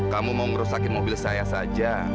kamu mau ngerusakin mobil saya saja